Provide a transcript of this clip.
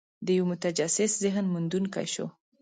د یوه متجسس ذهن موندونکي شو.